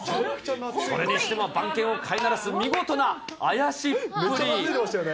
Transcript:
それにしても番犬を飼いならす見事なあやしっぷり。